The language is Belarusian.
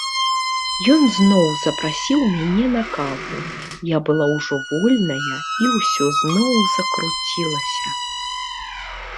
Ён зноў запрасіў мяне на каву, я была ўжо вольная, і ўсё зноў закруцілася.